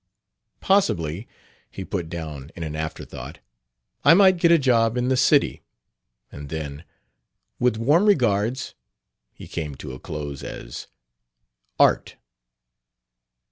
Possibly," he put down in an afterthought, "I might get a job in the city;" and then, "with warm regards," he came to a close as "Art."